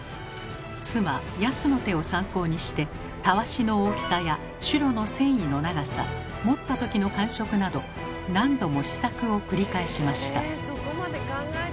妻やすの手を参考にしてたわしの大きさやシュロの繊維の長さ持った時の感触など何度も試作を繰り返しました。